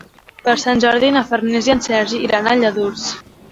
Per Sant Jordi na Farners i en Sergi iran a Lladurs.